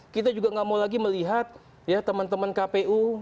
kita juga gak mau lagi melihat teman teman kpu